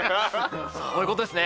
そういうことですね。